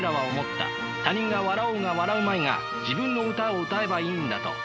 他人が笑おうが笑うまいが自分の歌を歌えばいいんだと。